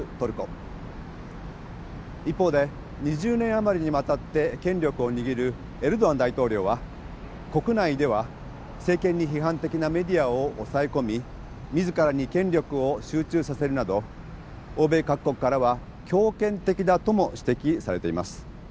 一方で２０年余りにわたって権力を握るエルドアン大統領は国内では政権に批判的なメディアを抑え込み自らに権力を集中させるなど欧米各国からは強権的だとも指摘されています。